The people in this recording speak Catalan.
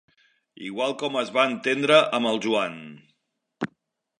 Igual com es va entendre amb el Joan.